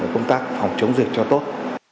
công tác phòng chống dịch cho tốt